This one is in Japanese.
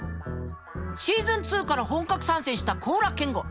シーズン２から本格参戦した高良健吾